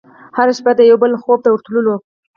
هره شپه د یوه بل خوب ته ورتللو